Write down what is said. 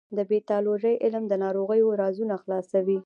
د پیتالوژي علم د ناروغیو رازونه خلاصوي.